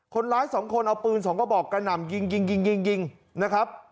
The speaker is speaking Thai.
คนร้ายสองคนเอาปืน๒กระบอกกระหน่ำยิงยิงยิงนะครับ